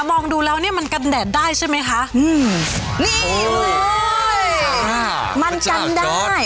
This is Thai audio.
มองดูแล้วเนี่ยมันกันแดดได้ใช่ไหมคะอืมนี่มันกันได้